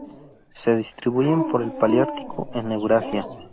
Se distribuyen por el Paleártico en Eurasia.